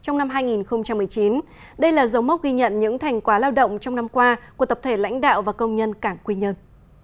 trong năm hai nghìn một mươi chín đây là dấu mốc ghi nhận những thành quá lao động trong năm qua của tập thể lãnh đạo và công nhân cảng quy nhân